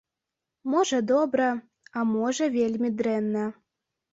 Можа, добра, а можа, вельмі дрэнна.